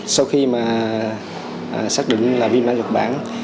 sau khi xác định là viêm lõng nhật bản